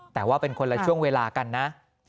แต่ว่าเป็นคนละช่วงเวลากันนะ